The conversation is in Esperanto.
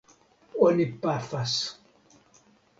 Oni pafas.